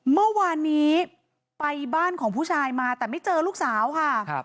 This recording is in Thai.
เมื่อวานนี้ไปบ้านของผู้ชายมาแต่ไม่เจอลูกสาวค่ะ